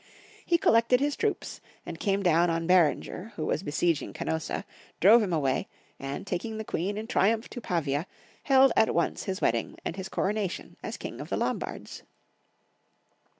He collected his troops, and came down on Berenger, who was be sieging Canossa, drove him away, and, taking the Queen in triumph to Pavia, held at once his wed ding and his coronation as King of the Lombards.